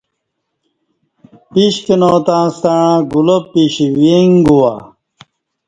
پیش کنا تاستݩع گلاب پیش ویݣ گوا